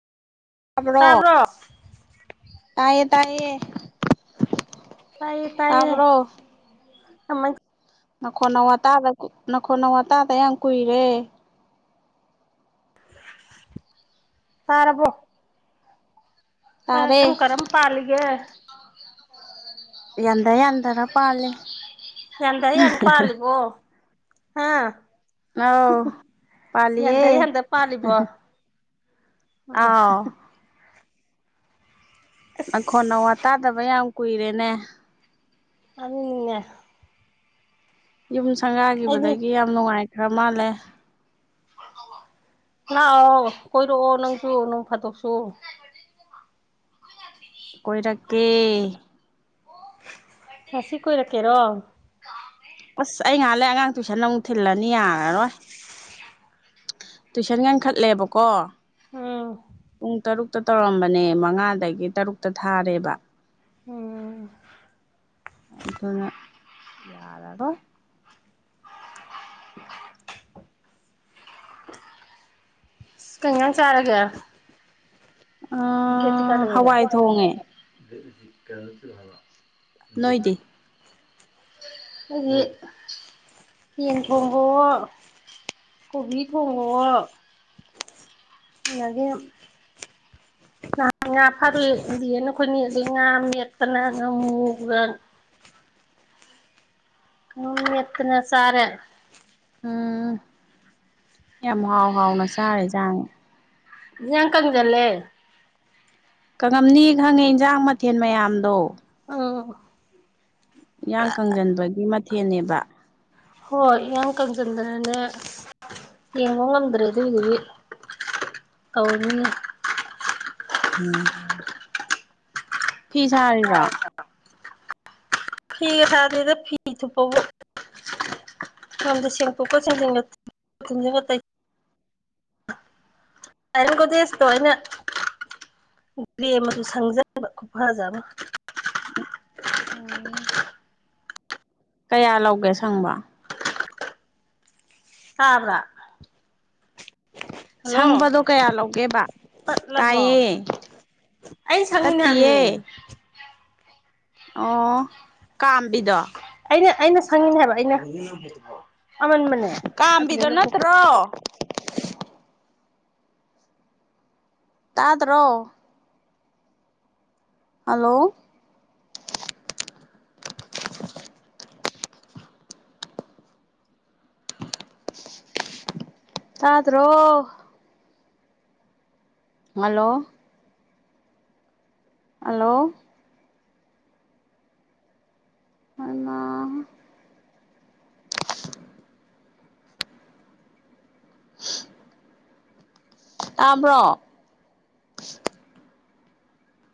ꯇꯥꯕ꯭ꯔꯣ ꯇꯥꯏꯌꯦ ꯇꯥꯏꯌꯦ ꯇꯥꯏꯌꯦ ꯇꯥꯏꯌꯦ ꯇꯥꯕ꯭ꯔꯣ [unintelligible] ꯅꯈꯣꯟ ꯅꯋꯥꯇꯥꯗ ꯅꯈꯣꯟ ꯅꯋꯥꯇꯥꯗ ꯌꯥꯝ ꯀꯨꯏꯔꯦ ꯇꯥꯔꯕꯣ ꯑ ꯇꯥꯔꯦ ꯀꯔꯝ ꯀꯔꯝ ꯄꯥꯜꯂꯤꯒꯦ ꯌꯥꯟꯗ ꯌꯥꯟꯗꯔ ꯄꯥꯜꯂꯤ ꯌꯥꯟꯗ ꯌꯥꯟ ꯄꯥꯜꯂꯤꯕꯣ ꯍꯥꯥ ꯑꯧ ꯄꯥꯜꯂꯤꯌꯦ ꯌꯥꯟꯗ ꯌꯥꯟꯗ ꯄꯥꯜꯂꯤꯕꯣ ꯑꯥꯎ [unintelligible] ꯅꯈꯣꯟ ꯅꯋꯥ ꯇꯗꯕ ꯌꯥꯝ ꯀꯨꯏꯔꯦꯅꯦ [unintelligible] ꯌꯨꯝ ꯑꯩꯗꯤ ꯁꯪꯒꯥꯈꯤꯕꯗꯒꯤ ꯌꯥꯝ ꯅꯨꯡꯉꯥꯏꯈ꯭ꯔ ꯃꯥꯜꯂꯦ ꯑꯥ ꯑꯥꯎ ꯀꯣꯏꯔꯛꯑꯣ ꯅꯪꯁꯨ ꯅꫭꯡ ꯐꯥꯗꫭꯛꯁꯨ ꯀꯣꯏꯔꯀꯦ ꯉꯁꯤ ꯀꯣꯏꯔꯛꯀꯦꯔꯣ ꯑꯁ ꯑꯩ ꯉꯍꯥꯟꯂꯦ ꯑꯉꯥꯡ ꯇꯨꯏꯁꯟ ꯑꯃꯨꯛ ꯊꯤꯜꯂꯅꯤ ꯌꯥꯔꯔꯣꯏ ꯇꯨꯏꯁꯟ ꯌꯥꯡꯈꯠꯂꯦꯕꯀꯣ ꯎꯝ ꯄꯨꯡ ꯇꯔꯨꯛ ꯇꯧꯔꯝꯕꯅꯦ ꯃꯉꯥꯗꯒꯤ ꯇꯔꯨꯛꯇ ꯊꯥꯔꯦꯕ ꯎꯝ ꯑꯗꯨꯅ ꯌꯥꯔꯔꯣ [inaudible] [inaudible] ꯀꯩꯅꯌꯥ ꯆꯔꯒ ꯍꯋꯥꯏ ꯊꯣꯡꯉꯦ ꯀ [unintelligible] ꯅꯣꯏꯗꯤ ꯑꯗꯨꯗꯒꯤ ꯍꯦꯡ ꯊꯣꯡꯕꯣ ꯀꯣꯕꯤ ꯊꯣꯡꯕꯑꯣ ꯑꯒꯤ ꯅꯍꯥꯟ ꯉꯥ ꯐꯥꯔꯦꯗꯤꯅ ꯑꯩꯈꯣꯏ ꯅꯦꯠꯂ ꯉꯥ ꯃꯦꯠꯀꯅ ꯉꯥ ꯃꯨꯕ꯭ꯔ [inaudible] [inaudible] ꯎꯝ ꯌꯦꯇꯅ ꯁꯔꯦ ꯎꯝ ꯌꯥꯝ ꯍꯥꯎ ꯍꯥꯎꯅ ꯆꯥꯔꯦꯖꯥꯡ ꯌꯥ ꯀꯉꯗ ꯂꯩꯦ ꯀꯉꯝꯅꯤ ꯈꯪꯉꯦ ꯌꯦꯟꯁꯥꯡ ꯃꯊꯦꯜ ꯃꯌꯥꯝꯗꯣ ꯑꯣꯥ ꯏꯌꯥꯡ ꯀꯪꯁꯤꯟꯕꯒꯤ ꯃꯊꯦꯜꯅꯦꯕ ꯍꯣꯏ ꯏ ꯀꯪꯁꯤꯟꯗꯅꯦꯅꯦ ꯇꯧꯅꯤ ꯎꯝ ꯐꯤꯁꯥꯔꯤꯔꯣ ꯐꯤ ꯍꯥꯏꯗꯤꯗ ꯐꯤ ꯊꯨꯄꯕꯣ ꯁꯦꯪꯗꯣꯛ ꯀꯥ ꯁꯦꯪꯖꯤꯅꯉꯥ ꯑꯥꯏꯅ ꯀꯗꯤꯁꯣ ꯑꯩꯅ ꯒꯦ ꯁꯪꯖꯕ ꯈꯨꯐꯖꯕ ꯑꯣꯝ ꯀꯌꯥ ꯂꯧꯒꯦ ꯁꯪꯕ ꯑꯕ꯭ꯔꯥ ꯁꯪꯕꯗꯣ ꯀꯌꯥ ꯂꯧꯒꯦꯕ ꯇꯠꯂꯕꯣ ꯇꯥꯏꯌꯦ ꯑꯩꯅ ꯁꯪꯉꯅꯦ ꯍꯥꯏꯅꯤ ꯇꯠꯇꯤꯌꯦ ꯑꯣ ꯀꯝꯕꯤꯗꯣ ꯑꯩꯅ ꯑꯩꯅ ꯁꯪꯉꯤꯅꯦ ꯍꯥꯏꯕ ꯑꯩꯅ ꯑꯃꯟꯕꯅꯦ ꯑꯗꯨꯗꯩ ꯀꯥꯝꯕꯤꯗ ꯂꯧꯊꯣꯛꯀꯣ ꯅꯠꯇ꯭ꯔꯣ ꯇꯥꯗ꯭ꯔꯣ ꯍꯂꯣ ꯇꯥꯗ꯭ꯔꯣ ꯍꯜꯂꯣ ꯍꯜꯂꯣ ꯑ [inaudible] [unintelligible] [inaudible] [inaudible] ꯇꯥꯕꯔꯣ